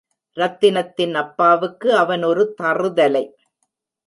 ரத்தினத்தின் அப்பாவுக்கு அவன் ஒரு தறுதலை.